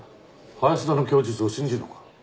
林田の供述を信じるのか？